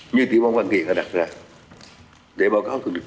như thủ tướng yêu cầu đề nghị đã đặt ra để báo cáo thường dịch